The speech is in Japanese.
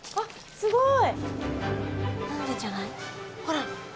すごい！